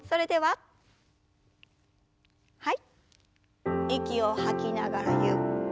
はい。